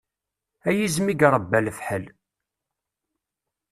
A yizem i iṛebba lefḥel!